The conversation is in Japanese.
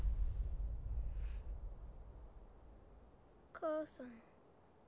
母さん。